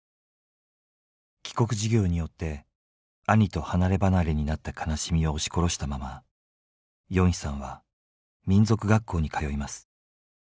帰国事業によって兄と離れ離れになった悲しみを押し殺したままヨンヒさんは民族学校に通います。